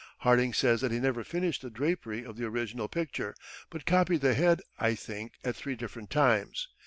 Harding says that he "never finished the drapery of the original picture, but copied the head, I think, at three different times."